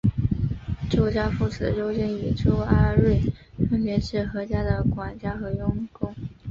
周家父子周金与周阿瑞分别是何家的管家和佣工。